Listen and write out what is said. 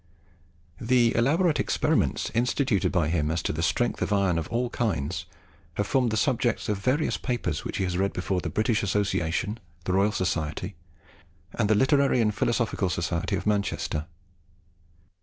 The elaborate experiments instituted by him as to the strength of iron of all kinds have formed the subject of various papers which he has read before the British Association, the Royal Society, and the Literary and Philosophical Society of Manchester.